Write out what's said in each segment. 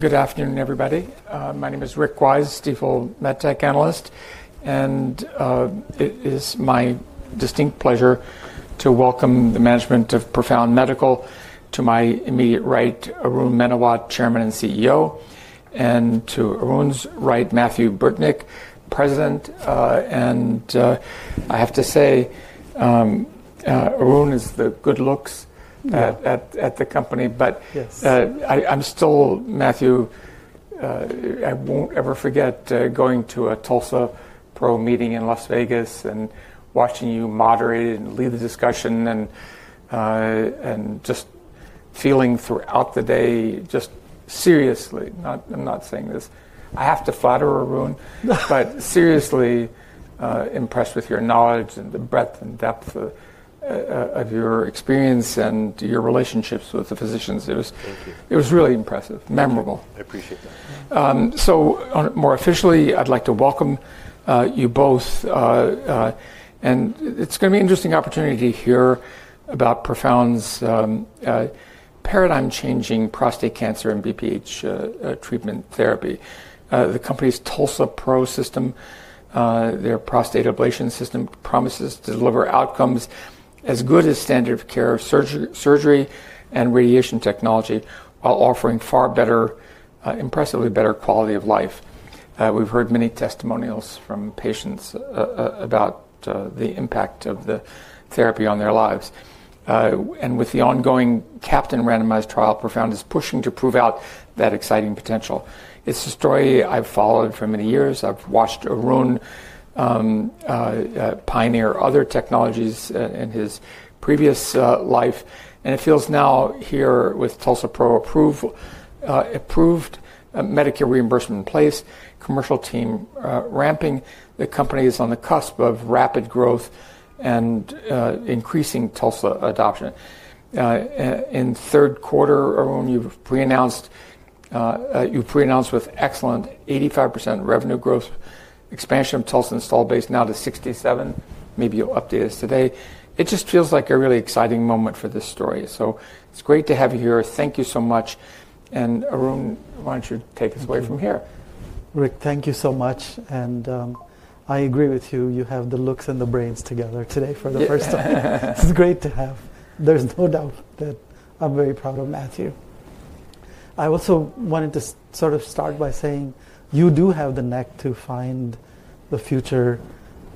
Good afternoon, everybody. My name is Rick Wise, Stifel, MedTech Analyst. It is my distinct pleasure to welcome the management of Profound Medical to my immediate right, Arun Menawat, Chairman and CEO, and to Arun's right, Mathieu Burtnyk, President. I have to say, Arun is the good looks at the company. I'm still, Mathieu, I won't ever forget going to a TULSA-PRO meeting in Las Vegas and watching you moderate and lead the discussion and just feeling throughout the day, just seriously—I am not saying this—I have to flatter Arun, but seriously impressed with your knowledge and the breadth and depth of your experience and your relationships with the physicians. It was really impressive, memorable. I appreciate that. More officially, I'd like to welcome you both. It's going to be an interesting opportunity to hear about Profound's paradigm-changing prostate cancer and BPH treatment therapy. The company's TULSA-PRO system, their prostate ablation system, promises to deliver outcomes as good as standard of care surgery and radiation technology while offering far better, impressively better quality of life. We've heard many testimonials from patients about the impact of the therapy on their lives. With the ongoing CAPTAIN randomized trial, Profound is pushing to prove out that exciting potential. It's a story I've followed for many years. I've watched Arun pioneer other technologies in his previous life. It feels now, here with TULSA-PRO approved, Medicare reimbursement in place, commercial team ramping, the company is on the cusp of rapid growth and increasing TULSA adoption. In third quarter, Arun, you've pre-announced with excellent 85% revenue growth, expansion of TULSA installed base now to 67. Maybe you'll update us today. It just feels like a really exciting moment for this story. It's great to have you here. Thank you so much. Arun, why don't you take us away from here? Rick, thank you so much. I agree with you. You have the looks and the brains together today for the first time. It's great to have. There's no doubt that I'm very proud of Mathieu. I also wanted to sort of start by saying you do have the knack to find the future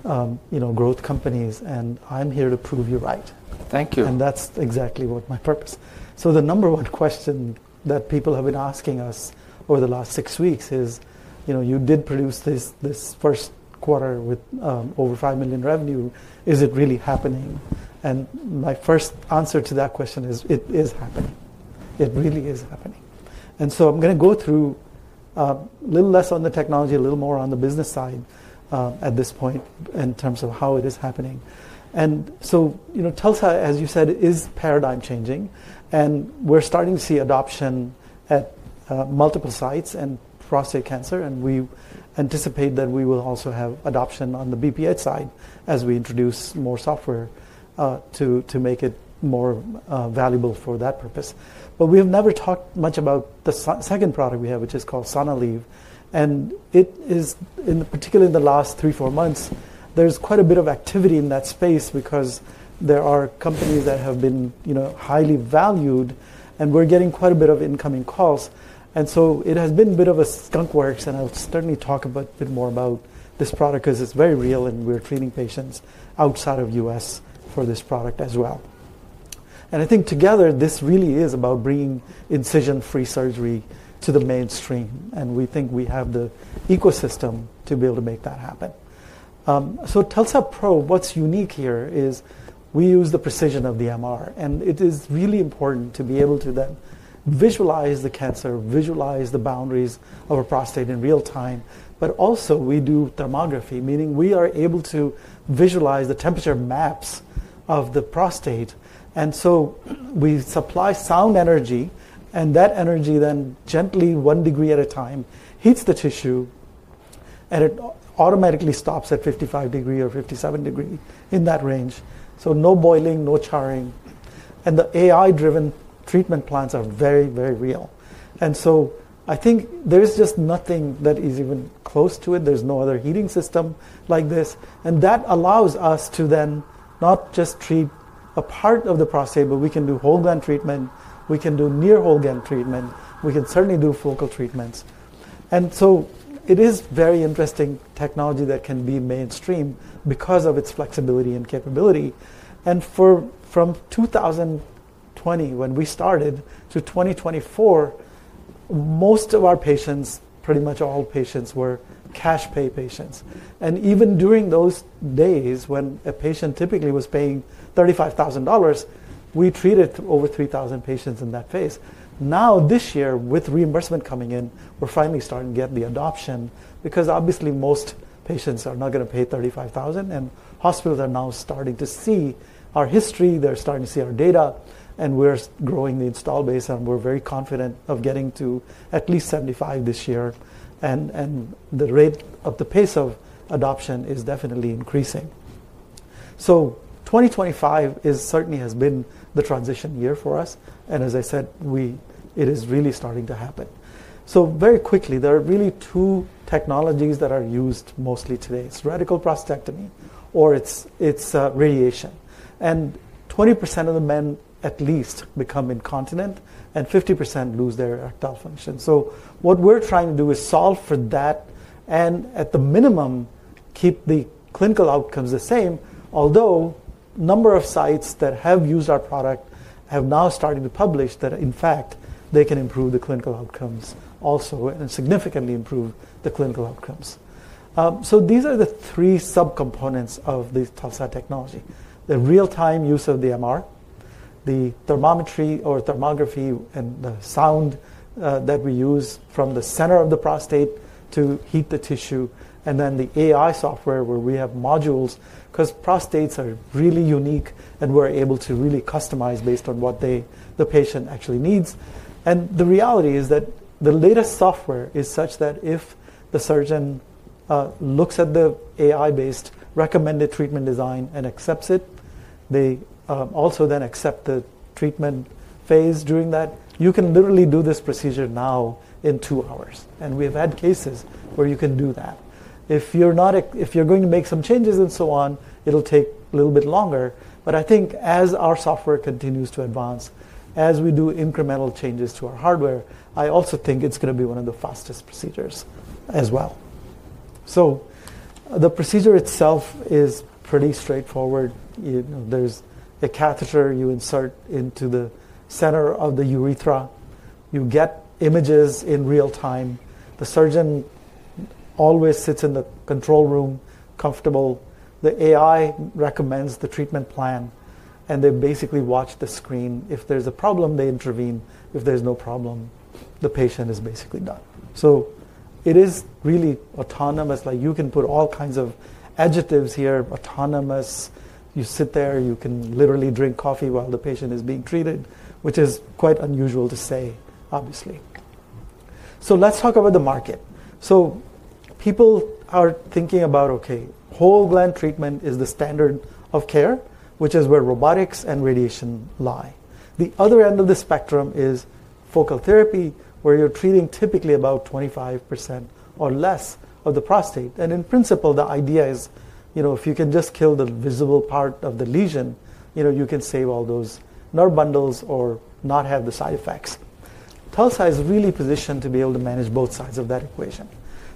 growth companies. I'm here to prove you right. Thank you. That's exactly what my purpose is. The number one question that people have been asking us over the last six weeks is, you did produce this first quarter with over $5 million revenue. Is it really happening? My first answer to that question is, it is happening. It really is happening. I'm going to go through a little less on the technology, a little more on the business side at this point in terms of how it is happening. TULSA, as you said, is paradigm changing. We're starting to see adoption at multiple sites in prostate cancer. We anticipate that we will also have adoption on the BPH side as we introduce more software to make it more valuable for that purpose. We have never talked much about the second product we have, which is called Sonalleve. It is, particularly in the last three, four months, there's quite a bit of activity in that space because there are companies that have been highly valued. We're getting quite a bit of incoming calls. It has been a bit of a skunk works. I'll certainly talk a bit more about this product because it's very real. We're treating patients outside of the U.S. for this product as well. I think together, this really is about bringing incision-free surgery to the mainstream. We think we have the ecosystem to be able to make that happen. TULSA-PRO, what's unique here is we use the precision of the MR. It is really important to be able to then visualize the cancer, visualize the boundaries of a prostate in real time. We do thermography, meaning we are able to visualize the temperature maps of the prostate. We supply sound energy, and that energy then gently, one degree at a time, heats the tissue. It automatically stops at 55 degrees or 57 degrees in that range. No boiling, no charring. The AI-driven treatment plans are very, very real. I think there is just nothing that is even close to it. There is no other heating system like this. That allows us to then not just treat a part of the prostate, but we can do whole gland treatment. We can do near whole gland treatment. We can certainly do focal treatments. It is very interesting technology that can be mainstream because of its flexibility and capability. From 2020, when we started, to 2024, most of our patients, pretty much all patients, were cash pay patients. Even during those days when a patient typically was paying $35,000, we treated over 3,000 patients in that phase. This year, with reimbursement coming in, we're finally starting to get the adoption because obviously most patients are not going to pay $35,000. Hospitals are now starting to see our history. They're starting to see our data. We're growing the install base. We're very confident of getting to at least 75 this year. The rate of the pace of adoption is definitely increasing. 2025 certainly has been the transition year for us. As I said, it is really starting to happen. Very quickly, there are really two technologies that are used mostly today. It's radical prostatectomy or it's radiation. Twenty percent of the men, at least, become incontinent. Fifty percent lose their erectile function. What we're trying to do is solve for that and, at the minimum, keep the clinical outcomes the same, although a number of sites that have used our product have now started to publish that, in fact, they can improve the clinical outcomes also and significantly improve the clinical outcomes. These are the three subcomponents of the TULSA technology: the real-time use of the MR, the thermometry or thermography and the sound that we use from the center of the prostate to heat the tissue, and then the AI software where we have modules because prostates are really unique. We're able to really customize based on what the patient actually needs. The reality is that the latest software is such that if the surgeon looks at the AI-based recommended treatment design and accepts it, they also then accept the treatment phase during that. You can literally do this procedure now in two hours. We have had cases where you can do that. If you're going to make some changes and so on, it'll take a little bit longer. I think as our software continues to advance, as we do incremental changes to our hardware, I also think it's going to be one of the fastest procedures as well. The procedure itself is pretty straightforward. There's a catheter you insert into the center of the urethra. You get images in real time. The surgeon always sits in the control room, comfortable. The AI recommends the treatment plan. They basically watch the screen. If there's a problem, they intervene. If there's no problem, the patient is basically done. It is really autonomous. You can put all kinds of adjectives here. Autonomous. You sit there. You can literally drink coffee while the patient is being treated, which is quite unusual to say, obviously. Let's talk about the market. People are thinking about, Okay, whole gland treatment is the standard of care, which is where robotics and radiation lie. The other end of the spectrum is focal therapy, where you're treating typically about 25% or less of the prostate. In principle, the idea is if you can just kill the visible part of the lesion, you can save all those nerve bundles or not have the side effects. TULSA is really positioned to be able to manage both sides of that equation.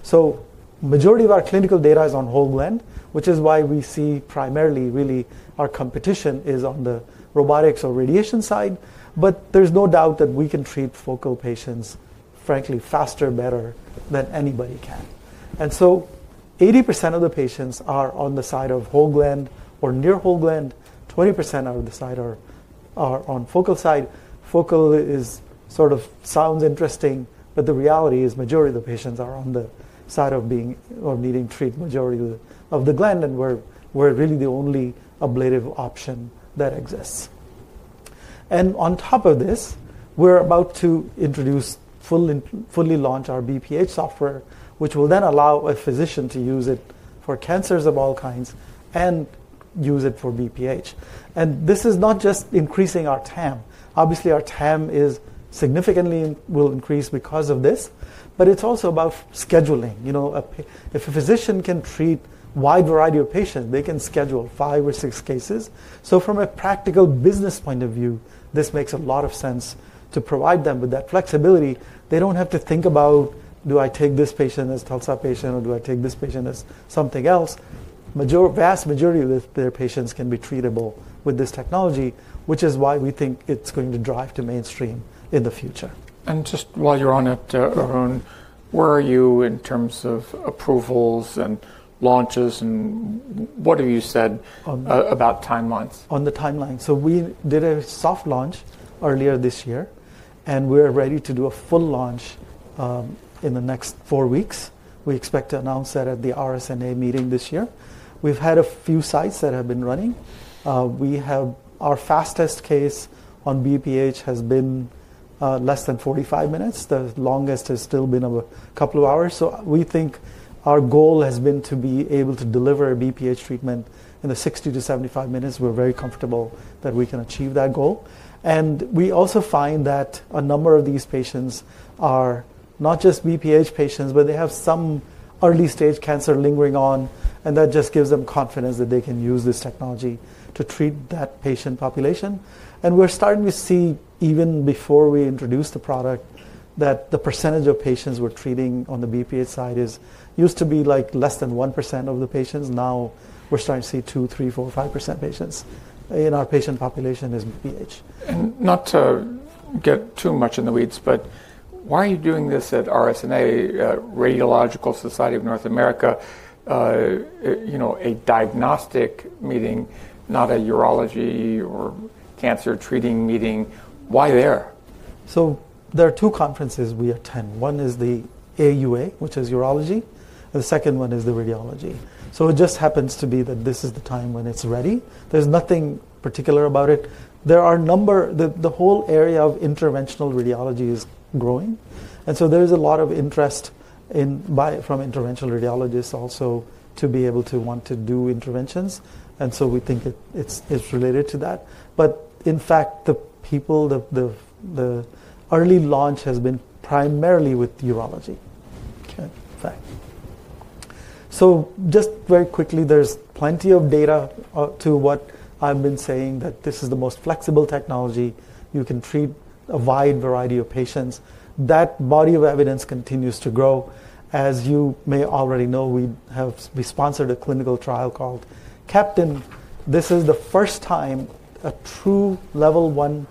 The majority of our clinical data is on whole gland, which is why we see primarily, really, our competition is on the robotics or radiation side. There is no doubt that we can treat focal patients, frankly, faster, better than anybody can. 80% of the patients are on the side of whole gland or near whole gland. 20% are on the focal side. Focal sort of sounds interesting. The reality is the majority of the patients are on the side of needing treatment, majority of the gland. We are really the only ablative option that exists. On top of this, we are about to introduce, fully launch our BPH software, which will then allow a physician to use it for cancers of all kinds and use it for BPH. This is not just increasing our TAM. Obviously, our TAM will significantly increase because of this. It is also about scheduling. If a physician can treat a wide variety of patients, they can schedule five or six cases. From a practical business point of view, this makes a lot of sense to provide them with that flexibility. They do not have to think about, do I take this patient as a TULSA patient, or do I take this patient as something else? The vast majority of their patients can be treatable with this technology, which is why we think it is going to drive to mainstream in the future. Just while you're on it, Arun, where are you in terms of approvals and launches? What have you said about timelines? On the timeline, we did a soft launch earlier this year. We are ready to do a full launch in the next four weeks. We expect to announce that at the RSNA meeting this year. We have had a few sites that have been running. Our fastest case on BPH has been less than 45 minutes. The longest has still been a couple of hours. We think our goal has been to be able to deliver a BPH treatment in the 60-75 minutes. We are very comfortable that we can achieve that goal. We also find that a number of these patients are not just BPH patients, but they have some early stage cancer lingering on. That just gives them confidence that they can use this technology to treat that patient population. We're starting to see, even before we introduced the product, that the percentage of patients we're treating on the BPH side used to be like less than 1% of the patients. Now we're starting to see 2%, 3%, 4%, 5% patients in our patient population is BPH. Not to get too much in the weeds, but why are you doing this at RSNA, Radiological Society of North America? A diagnostic meeting, not a urology or cancer treating meeting. Why there? There are two conferences we attend. One is the AUA, which is urology. The second one is the radiology. It just happens to be that this is the time when it's ready. There's nothing particular about it. The whole area of interventional radiology is growing. There is a lot of interest from interventional radiologists also to be able to want to do interventions. We think it's related to that. In fact, the early launch has been primarily with urology. Just very quickly, there's plenty of data to what I've been saying, that this is the most flexible technology. You can treat a wide variety of patients. That body of evidence continues to grow. As you may already know, we sponsored a clinical trial called CAPTAIN. This is the first time a true level one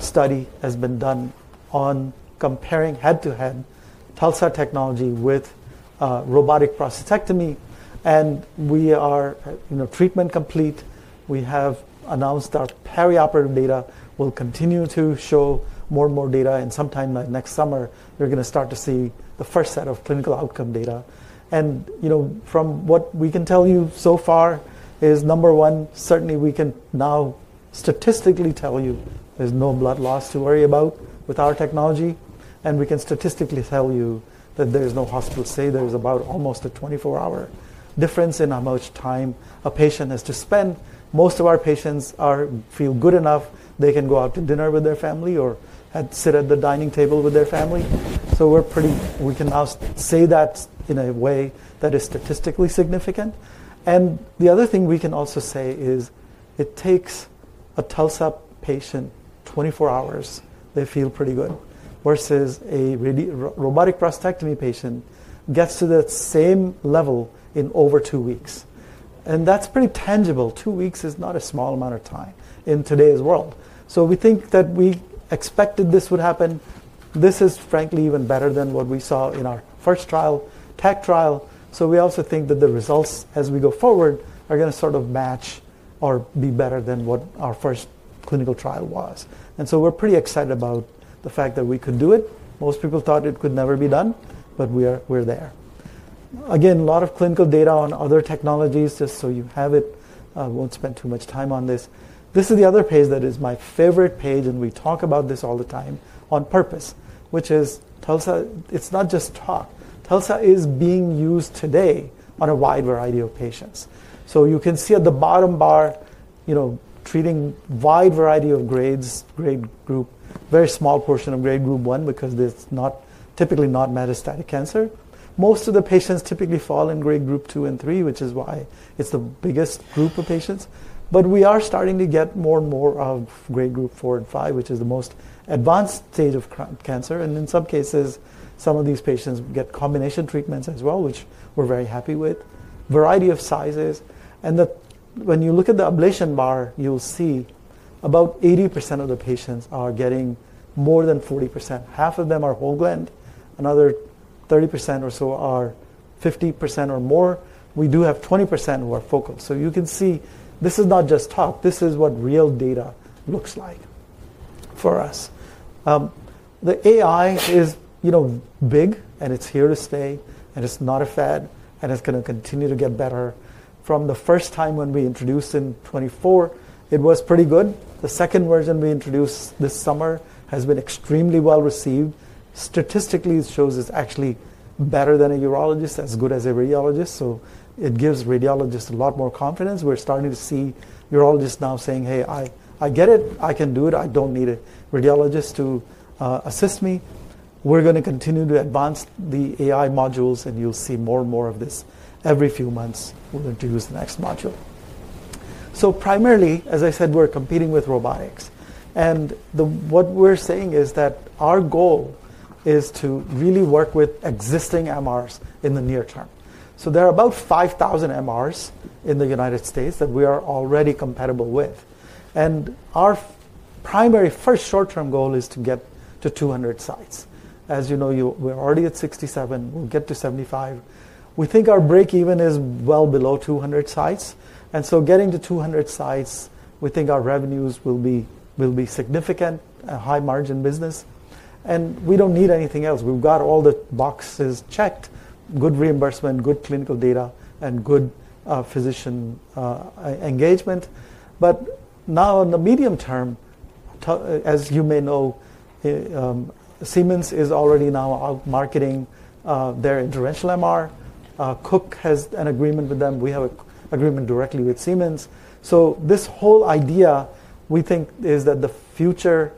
study has been done on comparing head to head TULSA technology with robotic prostatectomy. We are treatment complete. We have announced our perioperative data, will continue to show more and more data. Sometime by next summer, we're going to start to see the first set of clinical outcome data. From what we can tell you so far is, number one, certainly we can now statistically tell you there's no blood loss to worry about with our technology. We can statistically tell you that there's no hospital to say there's about almost a 24-hour difference in how much time a patient has to spend. Most of our patients feel good enough they can go out to dinner with their family or sit at the dining table with their family. We can now say that in a way that is statistically significant. The other thing we can also say is it takes a TULSA patient 24 hours. They feel pretty good. Versus a robotic prostatectomy patient gets to the same level in over two weeks. That is pretty tangible. Two weeks is not a small amount of time in today's world. We think that we expected this would happen. This is, frankly, even better than what we saw in our first trial, tech trial. We also think that the results, as we go forward, are going to sort of match or be better than what our first clinical trial was. We are pretty excited about the fact that we could do it. Most people thought it could never be done. We are there. Again, a lot of clinical data on other technologies, just so you have it. I won't spend too much time on this. This is the other page that is my favorite page. We talk about this all the time on purpose, which is TULSA. It's not just talk. TULSA is being used today on a wide variety of patients. You can see at the bottom bar, treating a wide variety of grades, grade group, very small portion of grade group one because it's typically not metastatic cancer. Most of the patients typically fall in grade group two and three, which is why it's the biggest group of patients. We are starting to get more and more of grade group four and five, which is the most advanced stage of cancer. In some cases, some of these patients get combination treatments as well, which we're very happy with, variety of sizes. When you look at the ablation bar, you'll see about 80% of the patients are getting more than 40%. Half of them are whole gland. Another 30% or so are 50% or more. We do have 20% who are focal. You can see this is not just talk. This is what real data looks like for us. The AI is big. It's here to stay. It's not a fad. It's going to continue to get better. From the first time when we introduced in 2024, it was pretty good. The second version we introduced this summer has been extremely well received. Statistically, it shows it's actually better than a urologist, as good as a radiologist. It gives radiologists a lot more confidence. We're starting to see urologists now saying, hey, I get it. I can do it. I don't need a radiologist to assist me. We're going to continue to advance the AI modules. You'll see more and more of this every few months when we introduce the next module. Primarily, as I said, we're competing with robotics. What we're saying is that our goal is to really work with existing MRs in the near term. There are about 5,000 MRs in the United States that we are already compatible with. Our primary first short-term goal is to get to 200 sites. As you know, we're already at 67. We'll get to 75. We think our break even is well below 200 sites. Getting to 200 sites, we think our revenues will be significant, a high-margin business. We don't need anything else. We've got all the boxes checked: good reimbursement, good clinical data, and good physician engagement. Now, in the medium term, as you may know, Siemens is already now marketing their interventional MR. Cook has an agreement with them. We have an agreement directly with Siemens. This whole idea, we think, is that the future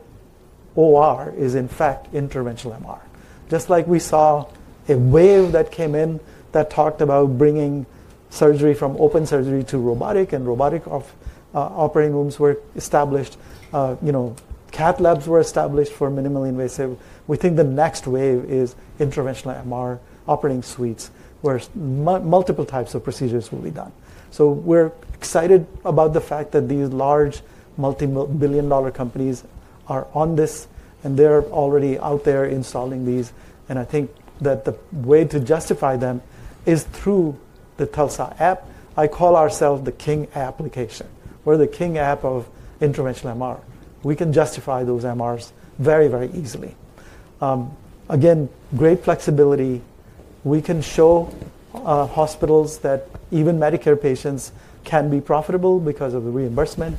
OR is, in fact, interventional MR. Just like we saw a wave that came in that talked about bringing surgery from open surgery to robotic. Robotic operating rooms were established. CAT labs were established for minimally invasive. We think the next wave is interventional MR operating suites, where multiple types of procedures will be done. We're excited about the fact that these large multi-billion dollar companies are on this. They're already out there installing these. I think that the way to justify them is through the TULSA app. I call ourselves the king application. We're the king app of interventional MR. We can justify those MRs very, very easily. Again, great flexibility. We can show hospitals that even Medicare patients can be profitable because of the reimbursement.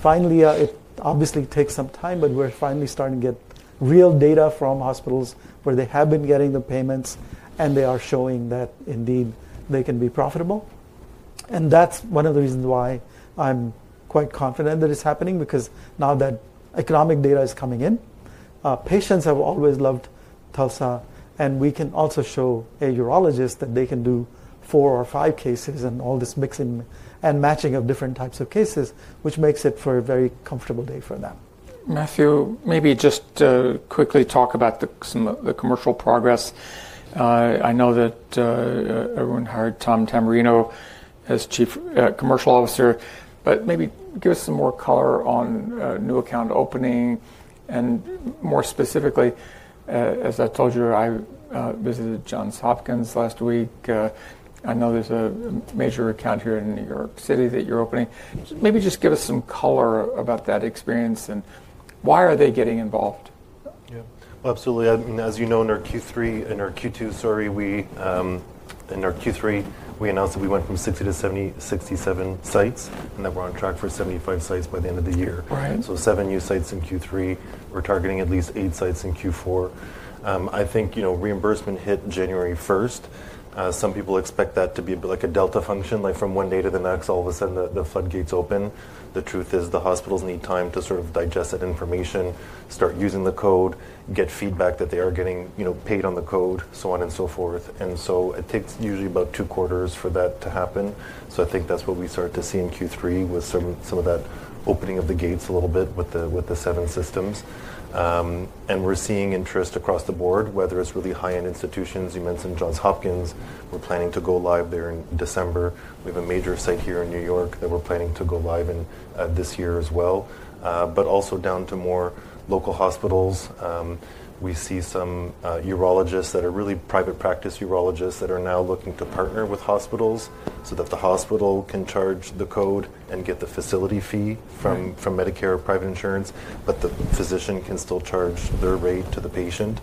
Finally, it obviously takes some time. We're finally starting to get real data from hospitals where they have been getting the payments. They are showing that, indeed, they can be profitable. That's one of the reasons why I'm quite confident that it's happening, because now that economic data is coming in, patients have always loved TULSA. We can also show a urologist that they can do four or five cases and all this mixing and matching of different types of cases, which makes it for a very comfortable day for them. Mathieu, maybe just quickly talk about some of the commercial progress. I know that Arun hired Tom Tamberrino as Chief Commercial Officer. Maybe give us some more color on new account opening. More specifically, as I told you, I visited Johns Hopkins last week. I know there's a major account here in New York City that you're opening. Maybe just give us some color about that experience. Why are they getting involved? Yeah. Absolutely. As you know, in our Q3 and our Q2, sorry, in our Q3, we announced that we went from 60 to 67 sites. And that we are on track for 75 sites by the end of the year. Seven new sites in Q3. We are targeting at least eight sites in Q4. I think reimbursement hit January 1st. Some people expect that to be like a delta function, like from one day to the next, all of a sudden, the floodgates open. The truth is, the hospitals need time to sort of digest that information, start using the code, get feedback that they are getting paid on the code, so on and so forth. It takes usually about two quarters for that to happen. I think that's what we start to see in Q3 with some of that opening of the gates a little bit with the seven systems. We're seeing interest across the board, whether it's really high-end institutions. You mentioned Johns Hopkins. We're planning to go live there in December. We have a major site here in New York that we're planning to go live in this year as well. Also, down to more local hospitals. We see some urologists that are really private practice urologists that are now looking to partner with hospitals so that the hospital can charge the code and get the facility fee from Medicare or private insurance. The physician can still charge their rate to the patient.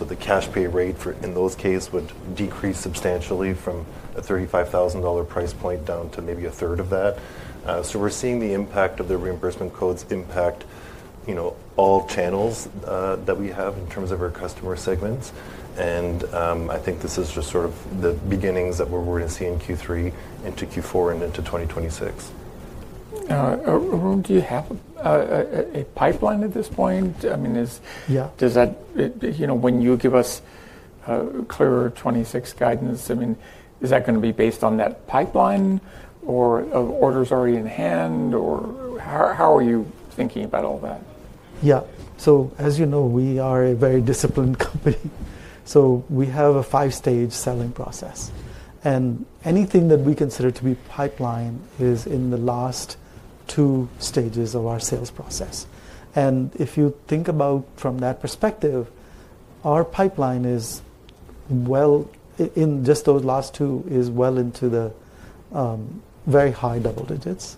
The cash pay rate in those cases would decrease substantially from a $35,000 price point down to maybe a third of that. We're seeing the impact of the reimbursement codes impact all channels that we have in terms of our customer segments. I think this is just sort of the beginnings of what we're going to see in Q3 into Q4 and into 2026. Arun, do you have a pipeline at this point? I mean, when you give us clear 2026 guidance, I mean, is that going to be based on that pipeline or orders already in hand? Or how are you thinking about all that? Yeah. As you know, we are a very disciplined company. We have a five-stage selling process. Anything that we consider to be pipeline is in the last two stages of our sales process. If you think about it from that perspective, our pipeline, in just those last two, is well into the very high double digits.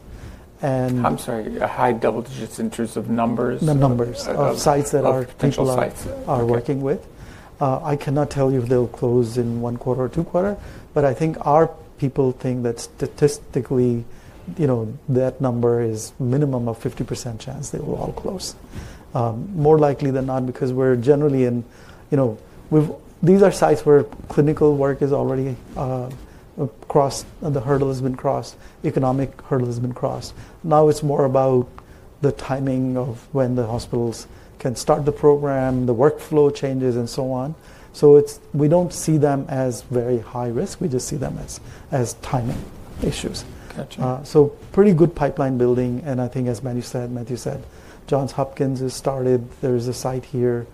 I'm sorry. High double digits in terms of numbers? The numbers of sites that our potential sites are working with. I cannot tell you if they'll close in one quarter or two quarters. I think our people think that statistically, that number is a minimum of 50% chance they will all close, more likely than not, because we're generally in these are sites where clinical work is already crossed. The hurdle has been crossed. Economic hurdle has been crossed. Now it's more about the timing of when the hospitals can start the program, the workflow changes, and so on. We do not see them as very high risk. We just see them as timing issues. Pretty good pipeline building. I think, as Mathieu said, Johns Hopkins has started. There is a site here.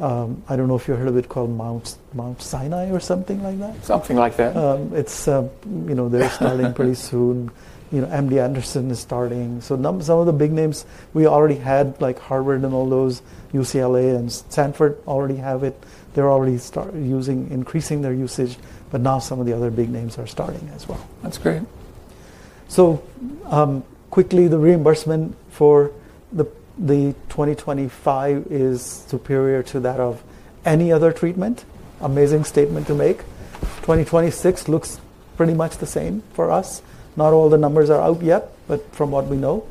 I do not know if you heard of it called Mount Sinai or something like that. Something like that. They're starting pretty soon. MD Anderson is starting. Some of the big names, we already had Harvard and all those. UCLA and Stanford already have it. They're already increasing their usage. Now some of the other big names are starting as well. That's great. Quickly, the reimbursement for 2025 is superior to that of any other treatment. Amazing statement to make. 2026 looks pretty much the same for us. Not all the numbers are out yet, but from what we know,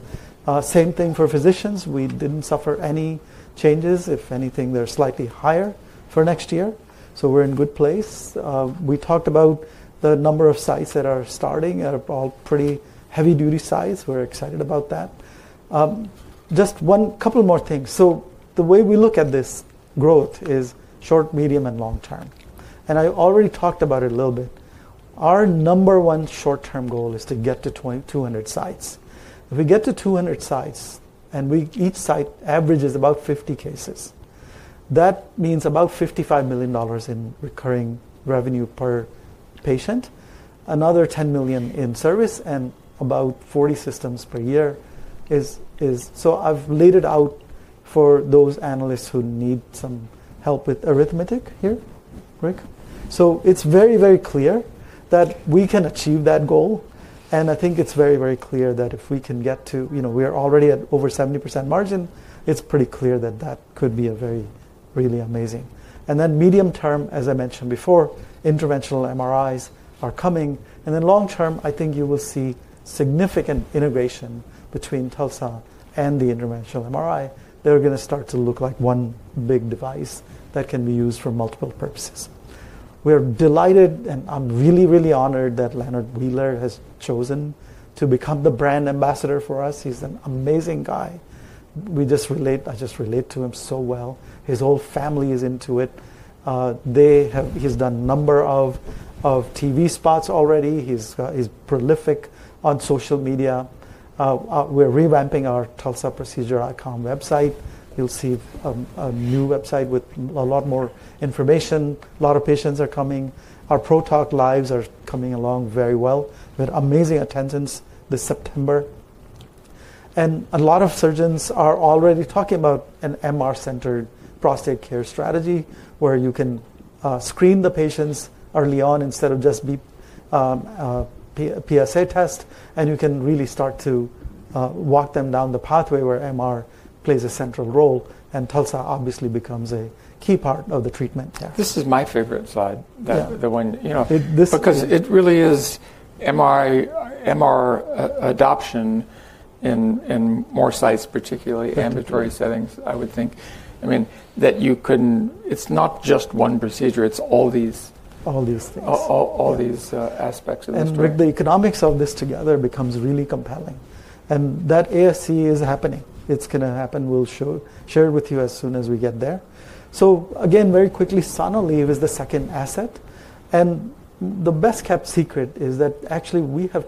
same thing for physicians. We didn't suffer any changes. If anything, they're slightly higher for next year. We're in a good place. We talked about the number of sites that are starting are all pretty heavy-duty sites. We're excited about that. Just one couple more things. The way we look at this growth is short, medium, and long term. I already talked about it a little bit. Our number one short-term goal is to get to 200 sites. If we get to 200 sites and each site averages about 50 cases, that means about $55 million in recurring revenue per patient, another $10 million in service, and about 40 systems per year is. I have laid it out for those analysts who need some help with arithmetic here, Rick. It is very, very clear that we can achieve that goal. I think it is very, very clear that if we can get to—we are already at over 70% margin. It is pretty clear that that could be really amazing. In the medium term, as I mentioned before, interventional MRIs are coming. In the long term, I think you will see significant integration between TULSA and the interventional MRI. They are going to start to look like one big device that can be used for multiple purposes. We are delighted. I'm really, really honored that Leonard Wheeler has chosen to become the brand ambassador for us. He's an amazing guy. I just relate to him so well. His whole family is into it. He's done a number of TV spots already. He's prolific on social media. We're revamping our tulsaprocedure.com website. You'll see a new website with a lot more information. A lot of patients are coming. Our PRO-Talk Live! are coming along very well. We had amazing attendance this September. A lot of surgeons are already talking about an MR-centered prostate care strategy, where you can screen the patients early on instead of just PSA test. You can really start to walk them down the pathway where MR plays a central role. TULSA, obviously, becomes a key part of the treatment. This is my favorite slide, the one. Because it really is MR adoption in more sites, particularly ambulatory settings, I would think. I mean, that you couldn't, it's not just one procedure. It's all these. All these things. All these aspects of this program. With the economics of this together, it becomes really compelling. That ASC is happening. It's going to happen. We'll share it with you as soon as we get there. Again, very quickly, Sonalleve is the second asset. The best-kept secret is that, actually, we have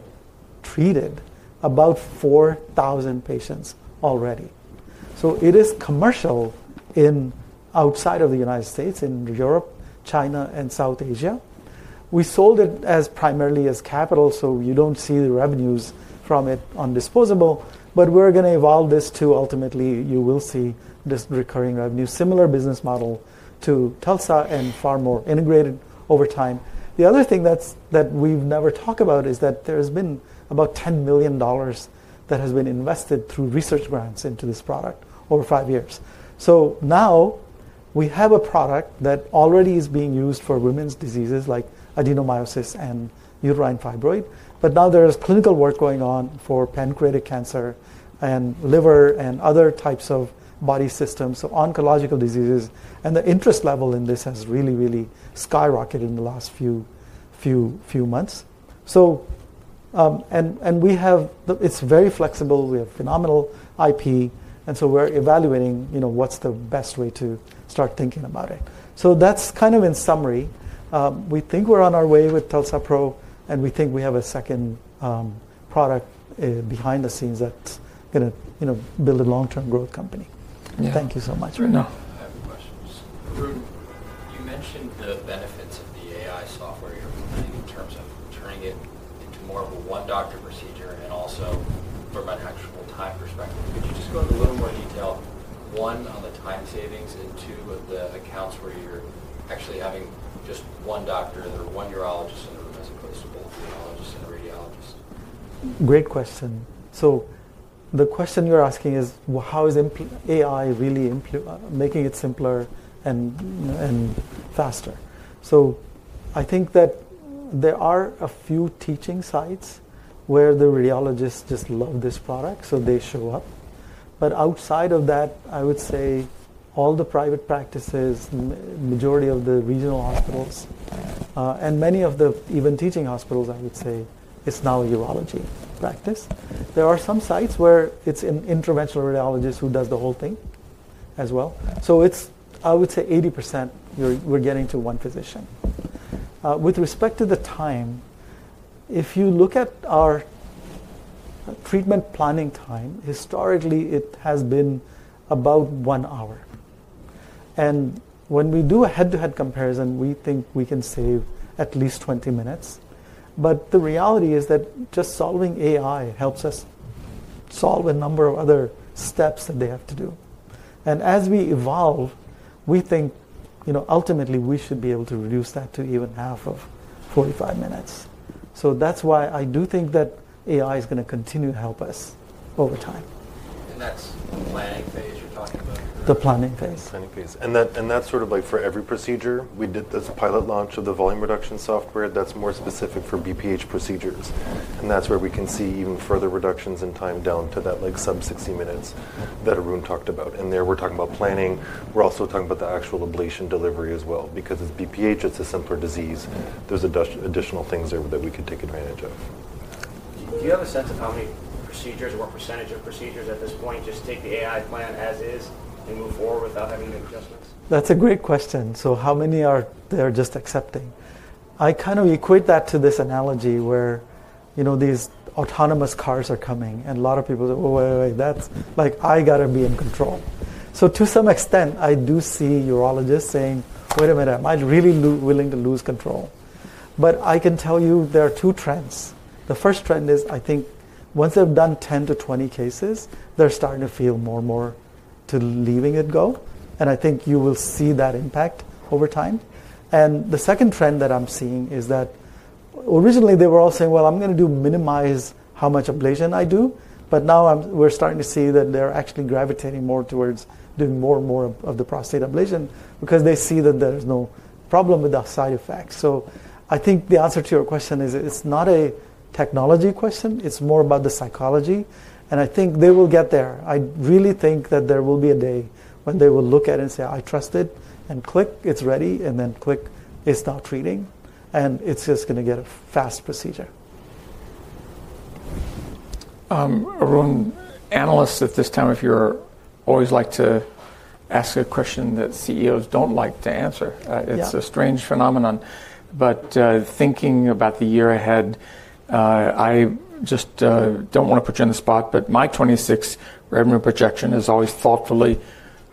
treated about 4,000 patients already. It is commercial outside of the United States, in Europe, China, and South Asia. We sold it primarily as capital. You do not see the revenues from it on disposable. We are going to evolve this to, ultimately, you will see this recurring revenue, similar business model to TULSA and far more integrated over time. The other thing that we have never talked about is that there has been about $10 million that has been invested through research grants into this product over five years. Now we have a product that already is being used for women's diseases like adenomyosis and uterine fibroid. There is clinical work going on for pancreatic cancer and liver and other types of body systems, so oncological diseases. The interest level in this has really, really skyrocketed in the last few months. It is very flexible. We have phenomenal IP. We are evaluating what is the best way to start thinking about it. That is kind of in summary. We think we are on our way with TULSA-PRO. We think we have a second product behind the scenes that is going to build a long-term growth company. Thank you so much for that. I have no questions. Arun, you mentioned the benefits of the AI software you're implementing in terms of turning it into more of a one-doctor procedure and also from an actual time perspective. Could you just go into a little more detail, one, on the time savings and, two, of the accounts where you're actually having just one doctor or one urologist in the room as opposed to both urologist and radiologist? Great question. The question you're asking is, how is AI really making it simpler and faster? I think that there are a few teaching sites where the radiologists just love this product. They show up. Outside of that, I would say all the private practices, majority of the regional hospitals, and many of the even teaching hospitals, I would say, it's now a urology practice. There are some sites where it's an interventional radiologist who does the whole thing as well. I would say 80% we're getting to one physician. With respect to the time, if you look at our treatment planning time, historically, it has been about one hour. When we do a head-to-head comparison, we think we can save at least 20 minutes. The reality is that just solving AI helps us solve a number of other steps that they have to do. As we evolve, we think, ultimately, we should be able to reduce that to even half of 45 minutes. That is why I do think that AI is going to continue to help us over time. That's the planning phase you're talking about? The planning phase. Planning phase. That's sort of like for every procedure. We did this pilot launch of the volume reduction software that's more specific for BPH procedures. That's where we can see even further reductions in time down to that sub-60 minutes that Arun talked about. There, we're talking about planning. We're also talking about the actual ablation delivery as well. Because it's BPH, it's a simpler disease. There are additional things there that we could take advantage of. Do you have a sense of how many procedures or what percentage of procedures at this point just take the AI plan as is and move forward without having to make adjustments? That's a great question. How many are they just accepting? I kind of equate that to this analogy where these autonomous cars are coming. A lot of people say, "Wait, wait, wait. I got to be in control." To some extent, I do see urologists saying, "Wait a minute. Am I really willing to lose control?" I can tell you there are two trends. The first trend is, I think, once they've done 10-20 cases, they're starting to feel more and more to leaving it go. I think you will see that impact over time. The second trend that I'm seeing is that originally, they were all saying, "Well, I'm going to minimize how much ablation I do." Now we're starting to see that they're actually gravitating more towards doing more and more of the prostate ablation because they see that there's no problem with the side effects. I think the answer to your question is, it's not a technology question. It's more about the psychology. I think they will get there. I really think that there will be a day when they will look at it and say, "I trust it," and click, it's ready, and then click, it's now treating. It's just going to get a fast procedure. Arun, analysts at this time, if you're always like to ask a question that CEOs don't like to answer. It's a strange phenomenon. Thinking about the year ahead, I just don't want to put you on the spot. My 2026 revenue projection is always thoughtfully,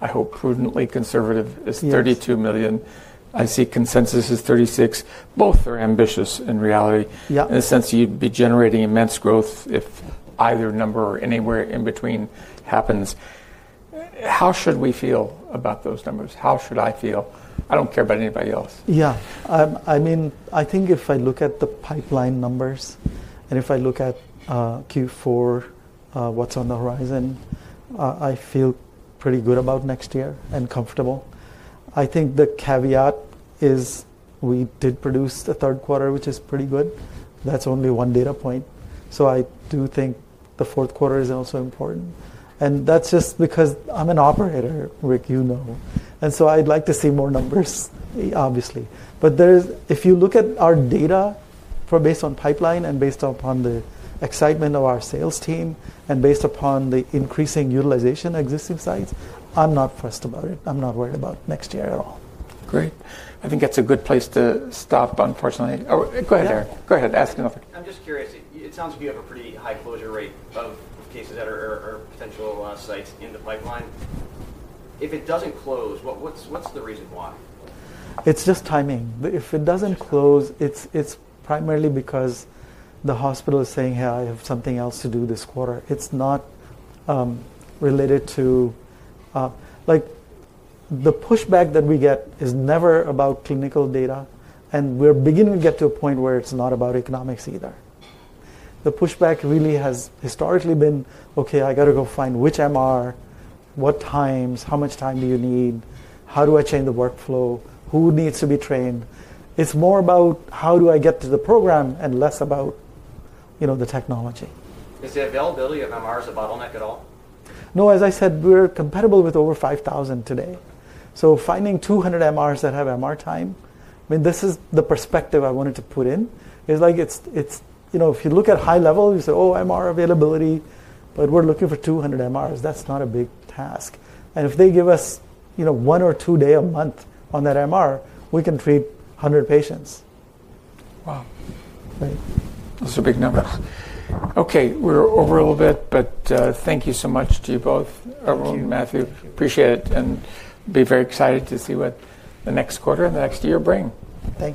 I hope prudently conservative, is $32 million. I see consensus is $36 million. Both are ambitious in reality. In a sense, you'd be generating immense growth if either number or anywhere in between happens. How should we feel about those numbers? How should I feel? I don't care about anybody else. Yeah. I mean, I think if I look at the pipeline numbers and if I look at Q4, what's on the horizon, I feel pretty good about next year and comfortable. I think the caveat is we did produce the third quarter, which is pretty good. That's only one data point. I do think the fourth quarter is also important. That's just because I'm an operator, Rick, you know. I'd like to see more numbers, obviously. If you look at our data based on pipeline and based upon the excitement of our sales team and based upon the increasing utilization of existing sites, I'm not pressed about it. I'm not worried about next year at all. Great. I think that's a good place to stop, unfortunately. Go ahead, Erik. Go ahead. Ask another question. I'm just curious. It sounds like you have a pretty high closure rate of cases or potential sites in the pipeline. If it doesn't close, what's the reason why? It's just timing. If it doesn't close, it's primarily because the hospital is saying, "Hey, I have something else to do this quarter." It's not related to the pushback that we get is never about clinical data. We're beginning to get to a point where it's not about economics either. The pushback really has historically been, "Okay, I got to go find which MR, what times, how much time do you need, how do I change the workflow, who needs to be trained?" It's more about how do I get to the program and less about the technology. Is the availability of MRs a bottleneck at all? No. As I said, we're compatible with over 5,000 today. Finding 200 MRs that have MR time, I mean, this is the perspective I wanted to put in. It's like if you look at high level, you say, "Oh, MR availability," but we're looking for 200 MRs. That's not a big task. If they give us one or two days a month on that MR, we can treat 100 patients. Wow. Right. Those are big numbers. Okay, we're over a little bit. Thank you so much to you both, Arun and Mathieu. Appreciate it. Be very excited to see what the next quarter and the next year bring. Thank you.